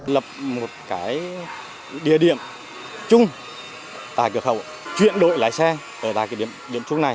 các doanh nghiệp chung tại cửa khẩu chuyển đội lái xe ở tại điểm trung này